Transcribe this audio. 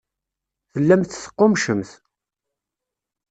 Tellamt teqqummcemt.